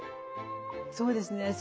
そうですね。